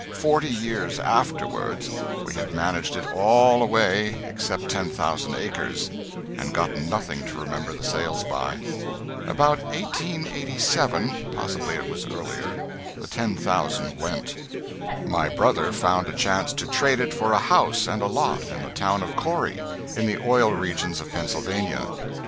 Forty years afterward, we had managed it all away except 10,000 acres, and gotten nothing to remember the sales by. About 1887 possibly it was earlier the 10,000 went. My brother found a chance to trade it for a house and lot in the town of Corry, in the oil regions of Pennsylvania.